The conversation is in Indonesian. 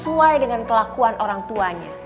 sesuai dengan kelakuan orang tuanya